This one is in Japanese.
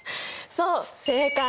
そう正解。